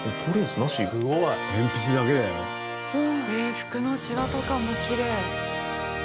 服のシワとかもきれい。